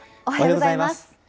おはようございます。